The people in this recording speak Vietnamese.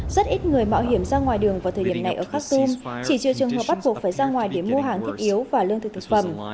rất ít người mạo hiểm ra ngoài đường vào thời điểm này ở khastom chỉ trừ trường hợp bắt buộc phải ra ngoài để mua hàng thiết yếu và lương thực thực phẩm